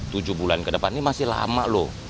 tujuh bulan ke depan ini masih lama loh